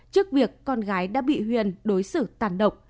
trước việc con gái đã bị huyền đối xử tàn độc